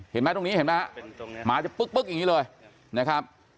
เห็นไหมตรงนี้เห็นไหมฮะเป็นตรงเนี้ยหมาจะปึ๊กปึ๊กอย่างงี้เลยนะครับ